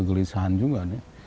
kegelisahan juga nih